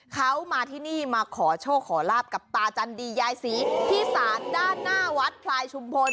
เขามาที่นี่มาขอโชคขอลาบกับตาจันดียายศรีที่ศาลด้านหน้าวัดพลายชุมพล